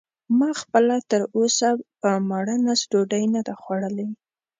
ما خپله تراوسه په ماړه نس ډوډۍ نه ده خوړلې.